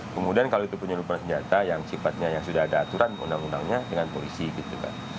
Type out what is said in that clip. kemudian kalau itu penyelundupan senjata yang sifatnya yang sudah ada aturan undang undangnya dengan polisi gitu kan